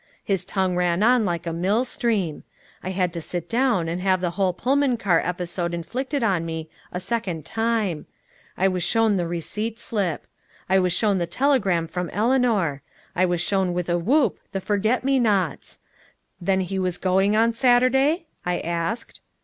His tongue ran on like a mill stream. I had to sit down and have the whole Pullman car episode inflicted on me a second time. I was shown the receipt slip. I was shown the telegram from Eleanor. I was shown with a whoop the forget me nots! Then he was going on Saturday? I asked.